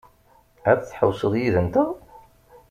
Ad tḥewwseḍ yid-nteɣ?